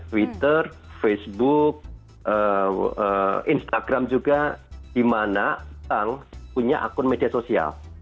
twitter facebook instagram juga dimana punya akun media sosial